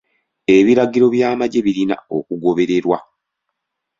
Ebiragiro by'amagye birina okugobererwa.